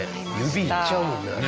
指いっちゃうもんね。